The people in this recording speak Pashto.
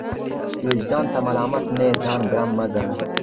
چي وجدان ته ملامت نه يې ځان ګرم مه ګڼه!